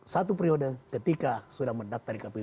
satu periode ketika sudah mendaftar di kpu